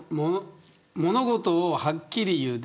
物事を、はっきり言う。